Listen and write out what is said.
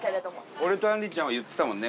俺とあんりちゃんは言ってたもんね。